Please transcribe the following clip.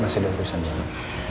masih ada urusan di kantor